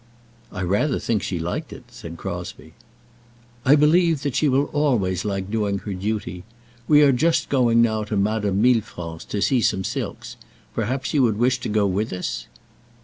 "I rather think she liked it," said Crosbie. "I believe she will always like doing her duty. We are just going now to Madame Millefranc's, to see some silks; perhaps you would wish to go with us?"